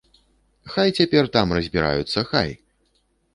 Хай цяпер там разбіраюцца, хай!